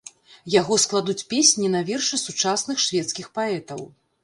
Яго складуць песні на вершы сучасных шведскіх паэтаў.